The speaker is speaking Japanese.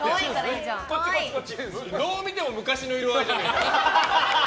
どう見ても昔の色合いじゃん。